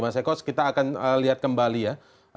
mas eko kita akan lihat kembali ya